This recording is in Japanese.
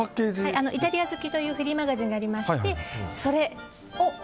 「イタリア好き」というフリーマガジンになりまして。